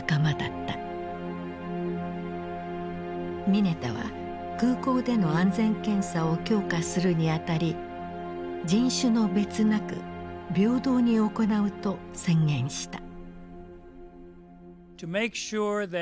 ミネタは空港での安全検査を強化するにあたり人種の別なく平等に行うと宣言した。